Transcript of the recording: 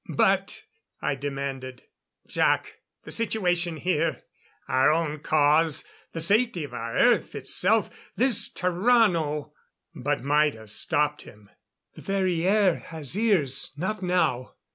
"But " I demanded. "Jac the situation here our own cause the safety of our Earth itself this Tarrano " But Maida stopped him. "The very air has ears. Not now."